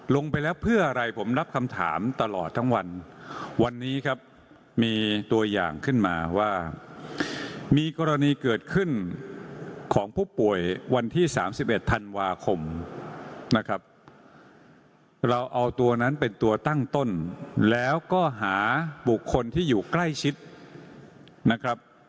เราเอาตัวนั้นเป็นตัวตั้งต้นแล้วก็หาบุคคลที่อยู่ใกล้ชิดนะครับ